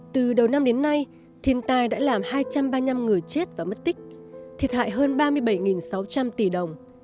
từ đầu năm đến nay thiên tai đã làm hai trăm ba mươi năm người chết và mất tích thiệt hại hơn ba mươi bảy sáu trăm linh tỷ đồng